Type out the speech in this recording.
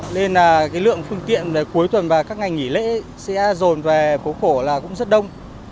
nên là cái lượng phương tiện cuối tuần và các ngày nghỉ lễ sẽ rồn về phố cổ là cũng rất đông